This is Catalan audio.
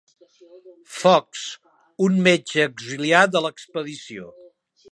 Fox, un metge auxiliar de l'expedició.